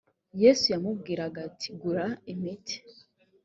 yesu yamubwiraga ati gura imiti